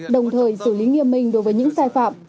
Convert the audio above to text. đồng thời xử lý nghiêm minh đối với những sai phạm